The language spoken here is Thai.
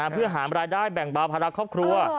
เพื่อหารายได้แบ่งเบาภาระครอบครัว